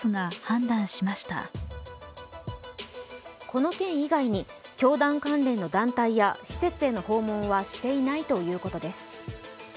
この件以外に、教団関連の団体や施設への訪問はしていないということです。